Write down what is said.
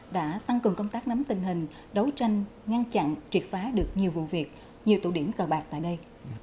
đã tăng cường công tác nắm tình hình đấu tranh ngăn chặn triệt phá được nhiều vụ việc nhiều tụ điểm cờ bạc tại đây